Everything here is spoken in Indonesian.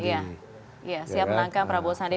iya siap menangkan prabowo sandi